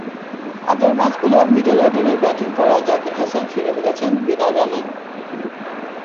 আগের ম্যাচগুলো মিডল অর্ডারে ব্যাটিং করা জাকির হাসান ফিরে গেছেন বিনা রানেই।